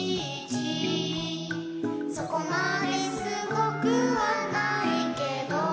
「そこまですごくはないけど」